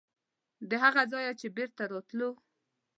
د هغه ځایه چې بېرته راتلو.